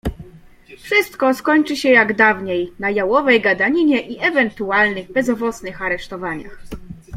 "Wszystko skończy się, jak dawniej, na Jałowej gadaninie i ewentualnych bezowocnych aresztowaniach."